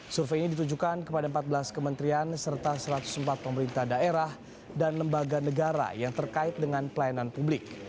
survei ini ditujukan kepada empat belas kementerian serta satu ratus empat pemerintah daerah dan lembaga negara yang terkait dengan pelayanan publik